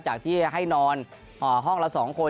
จากที่ให้นอนห้องละ๒คน